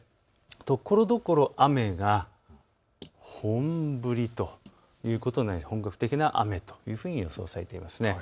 ところどころ雨が本降りということで本格的な雨と予想されています。